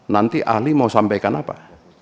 nanti ahli mau sampaikan apa